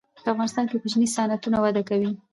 په افغانستان کې کوچني صنعتونه وده کوي.